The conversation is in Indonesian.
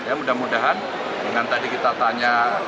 ya mudah mudahan dengan tadi kita tanya